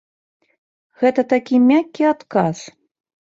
Гэта такі мяккі адказ.